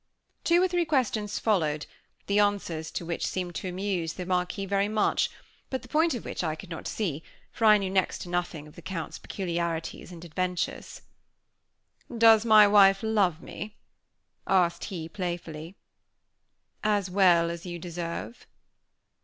Two or three questions followed, the answers to which seemed to amuse the Marquis very much; but the point of which I could not see, for I knew next to nothing of the Count's peculiarities and adventures. "Does my wife love me?" asked he, playfully. "As well as you deserve."